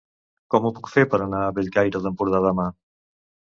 Com ho puc fer per anar a Bellcaire d'Empordà demà?